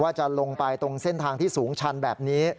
จะลงไปตรงเส้นทางที่สูงชันแบบนี้